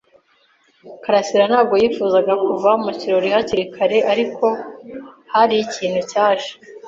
karasira ntabwo yifuzaga kuva mu kirori hakiri kare, ariko hari ikintu cyaje.